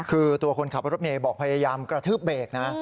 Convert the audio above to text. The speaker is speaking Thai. คือตัวคนขับรถเมย์บอกพยายามกระทืบเบรกนะ